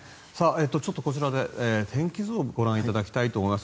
ちょっとこちらで天気図をご覧いただきたいと思います。